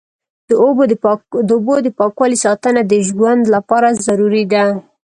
د اوبو د پاکوالي ساتنه د ژوند لپاره ضروري ده.